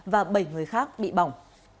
và bảy người khác bị bỏng